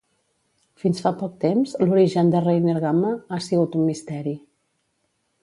Fins fa poc temps, l'origen de Reiner Gamma ha sigut un misteri.